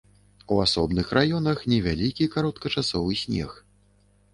У асобных раёнах невялікі кароткачасовы снег.